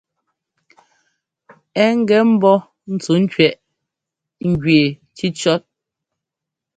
Ɛ gɛ mbɔ́ ntsúkẅiɛʼ njʉɛ́ cícíɔ́t.